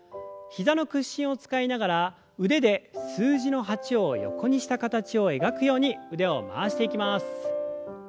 膝の屈伸を使いながら腕で数字の８を横にした形を描くように腕を回していきます。